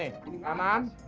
nah itu ada yang pangis